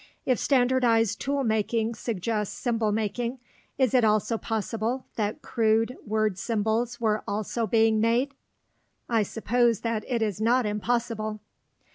If standardized tool making suggests symbol making, is it also possible that crude word symbols were also being made? I suppose that it is not impossible.